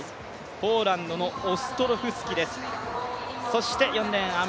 ポオーランドのオストロフスキです。